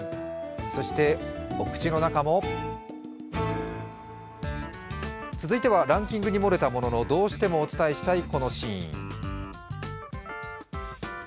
そしてお口の中も続いてはランキングに漏れたもののどうしてもお伝えしたいこのシーン。